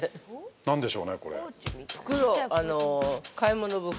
◆何でしょうね、これ。